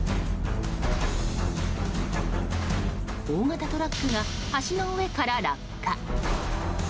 大型トラックが橋の上から落下。